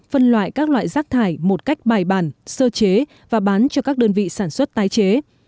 phân loại các loại rác thải một cách bài bản sơ chế và bán cho các đơn vị sản xuất tái chế